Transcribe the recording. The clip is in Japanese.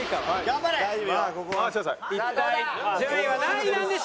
一体順位は何位なんでしょうか？